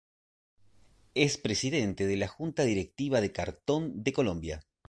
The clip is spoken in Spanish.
Es presidente de la Junta Directiva de Cartón de Colombia.